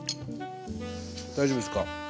大丈夫ですか。